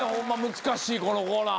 難しいこのコーナー。